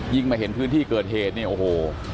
มาเห็นพื้นที่เกิดเหตุเนี่ยโอ้โห